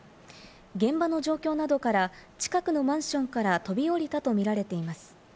現場の状況などから近くのマンションから飛び降りたとみられています。